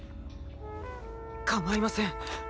構いません。